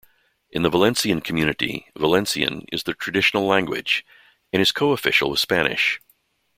In the Valencian Community, Valencian is the traditional language and is co-official with Spanish.